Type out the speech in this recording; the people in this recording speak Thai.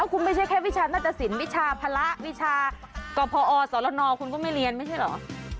คุณไม่ใช่แค่วิชาหน้าตสินวิชาภาระวิชากพอสรนคุณก็ไม่เรียนไม่ใช่เหรอ